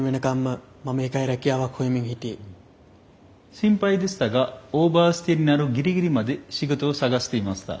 心配でしたがオーバーステイになるギリギリまで仕事を探していました。